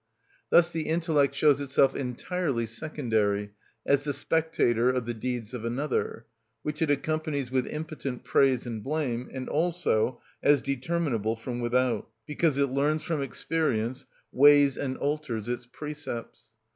Thus the intellect shows itself entirely secondary, as the spectator of the deeds of another, which it accompanies with impotent praise and blame, and also as determinable from without, because it learns from experience, weighs and alters its precepts.